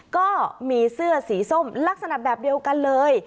ก็มีเสื้อสีส้มลักษณะแบบเดียวกันเลย